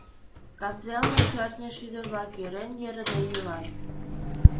Касвелне шӧртньӧ шӱдыр-влак йӧрен-йӧрыде йӱлат.